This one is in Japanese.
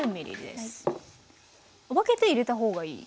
分けて入れた方がいい？